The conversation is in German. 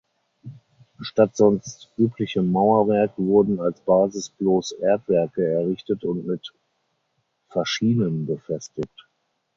Statt sonst üblichem Mauerwerk wurden als Basis bloß Erdwerke errichtet und mit Faschinen befestigt.